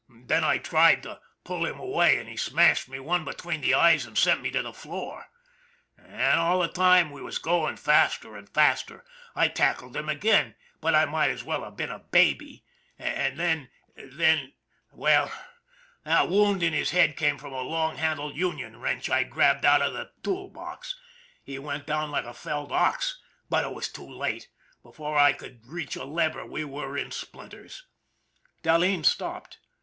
Then I tried to pull him away and he smashed me one be tween the eyes and sent me to the floor. All the time we was going faster and faster. I tackled him again, but I might as well have been a baby, and then then ^ i8o ON THE IRON AT BIG CLOUD well, that wound in his head came from a long handled union wrench I grabbed out of the tool box. He went down like a felled ox but it was too late. Be fore I could reach a lever we were in splinters." Dahleen stopped.